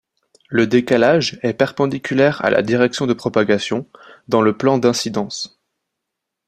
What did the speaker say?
Le décalage est perpendiculaire à la direction de propagation, dans le plan d'incidence.